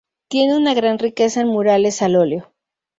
Tiene una gran riqueza en murales al óleo.